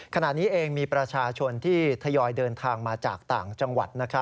ขณะนี้เองมีประชาชนที่ทยอยเดินทางมาจากต่างจังหวัด